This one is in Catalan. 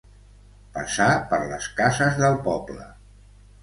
Passar per les cases del poble.